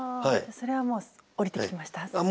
それはもう降りてきました？